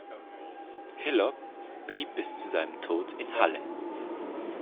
Hiller blieb bis zu seinem Tod in Halle.